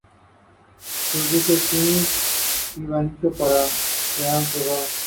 Produjeron zinc y vanadio, pero se han cerrado.